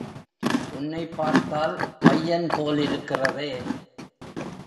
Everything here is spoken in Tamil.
உன்னைப் பார்த்தால் பையன் போலிருக்கிறதே?